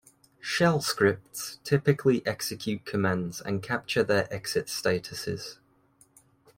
Shell scripts typically execute commands and capture their exit statuses.